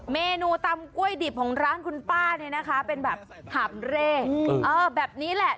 เมนูตำกล้วยดิบของร้านคุณป้าเนี่ยนะคะเป็นแบบหาบเร่แบบนี้แหละ